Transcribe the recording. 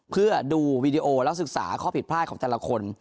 เพื่อดูวีดีโอและศึกษาข้อผิดพลาดของแต่ละคน